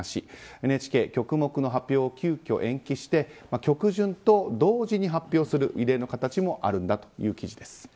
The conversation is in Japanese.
ＮＨＫ曲目の発表を急きょ延期して曲順と同時に発表する異例の形もあるんだという記事です。